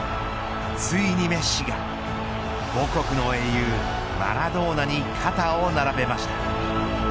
ついにメッシが母国の英雄マラドーナに肩を並べました。